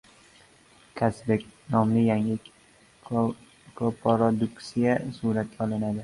“Kazbek” nomli yangi ko-produksiya suratga olinadi